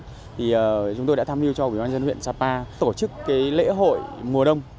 thì chúng tôi đã tham lưu cho ubnd huyện sapa tổ chức lễ hội mùa đông